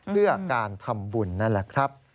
เพื่อการทำบุญนั่นแหละครับ